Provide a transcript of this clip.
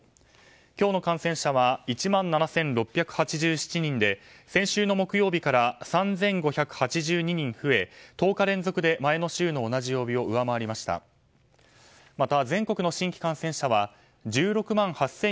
今日の感染者は１万７６８７人で先週の木曜日から３５８２人増え１０日連続で前の週の同じ曜日を上回りました。